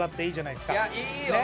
いいよね。